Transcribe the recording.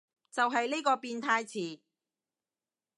就係呢個變態詞